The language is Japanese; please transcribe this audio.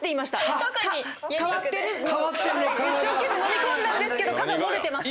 一生懸命のみ込んだんですけど「か」が漏れてました。